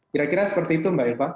kira kira seperti itu mbak eva